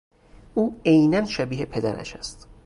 او عینا شبیه پدرش است.